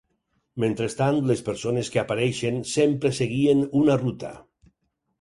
Mentrestant, les persones que apareixien sempre seguien una ruta.